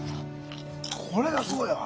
これがすごいわ。